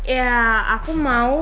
yah aku mau